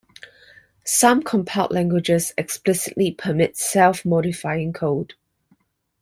Some compiled languages explicitly permit self-modifying code.